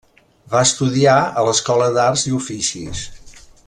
Va estudiar a l'Escola d'Arts i Oficis.